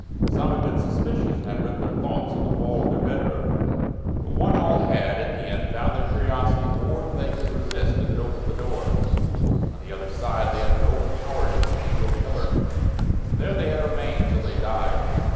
Some had been suspicious and had written their thoughts on the wall of their bedroom. But one and all had, in the end, found their curiosity more than they could resist and had opened the door. On the other side they had been overpowered and chained to a pillar, and there they had remained till they died.